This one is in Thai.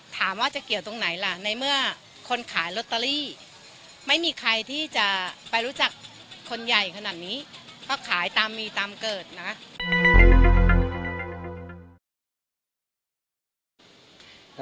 ถามว่าจะเกี่ยวตรงไหนล่ะในเมื่อคนขายลอตเตอรี่ไม่มีใครที่จะไปรู้จักคนใหญ่ขนาดนี้ก็ขายตามมีตามเกิดนะ